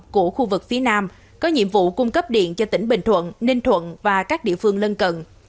của khu vực phía nam có nhiệm vụ cung cấp điện cho tỉnh bình thuận ninh thuận và các địa phương lân cận